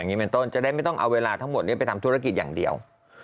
เป็นต้นจะได้ไม่ต้องเอาเวลาทั้งหมดไปทำธุรกิจอย่างเดียว